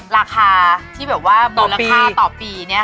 ราคาที่บอกว่าบนรักษะต่อปี